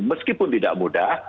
meskipun tidak mudah